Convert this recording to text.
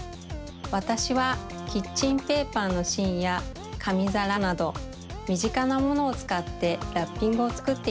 わたしはキッチンペーパーのしんやかみざらなどみぢかなものをつかってラッピングをつくっています。